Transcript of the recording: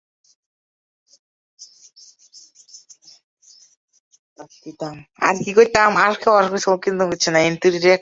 সেখানে আসার পর তারা উপলব্ধি করে তারা সেখানে একা বাস করছে না।